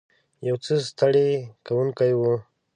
یو څه ستړې کوونکې وه.